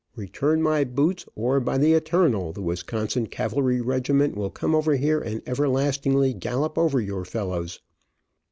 Return my boots, or by the eternal, the Wisconsin cavalry regiment will come over here and everlastingly gallop over your fellows.